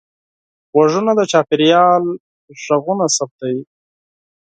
غوږونه د چاپېریال اوازونه ثبتوي